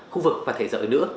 khu vực và thế giới nữa